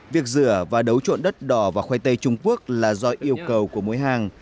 việc rửa và đấu trộn đất đỏ vào khoai tây trung quốc là do yêu cầu của mỗi hàng